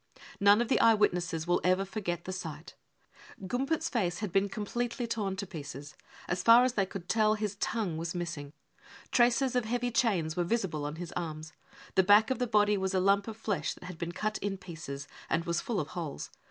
None of the eye witnesses will ever forget n the sight. Gumpert's face had been completely torn to pieces. As far as they could tell, his tongue was missing. Traces of heavy chains were visible on Ms arms. The back of the body was a lump of flesh that had been cut in pieces and was full of holes.